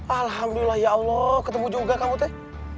alhamdulillah ya allah ketemu juga kamu teh